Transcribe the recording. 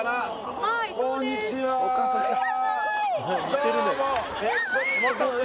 どうも！